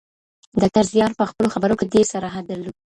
ډاکټر زیار په خپلو خبرو کي ډېر صراحت درلود.